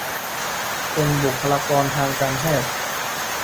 เป็นบุคลากรทางการแพทย์